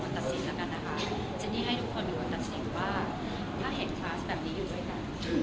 ซึ่งตัวจะได้เห็นหรือว่าจะเป็นคลาสแต่ไม่เหมือนกันซึ่งตัวจะได้เห็นหรือว่าจะเป็นคลาสแต่ไม่เหมือนกัน